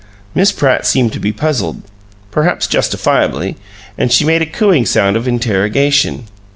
Miss Pratt seemed to be puzzled, perhaps justifiably, and she made a cooing sound of interrogation.